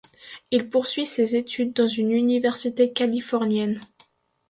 Il poursuit ses études dans une université californienne.